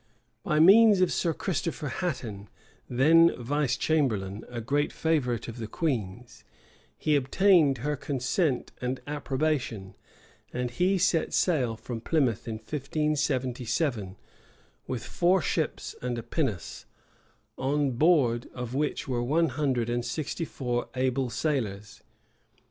[] By means of Sir Christopher Hatton, then vice chamberlain, a great favorite of the queen's, he obtained her consent and approbation; and he set sail from Plymouth in 1577, with four ships and a pinnace, on board of which were one hundred and sixty four able sailors.